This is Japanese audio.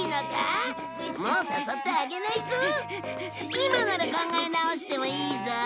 今なら考え直してもいいぞ。